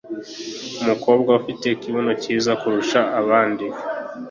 umukobwa ufite ikibuno cyiza kurusha abandi